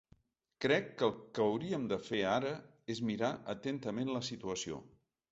Crec que el que hauríem de fer ara és mirar atentament la situació.